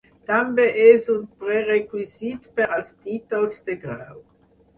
També és un prerequisit per als títols de grau.